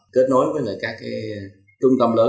kết nối với lại các cái trung tâm lớn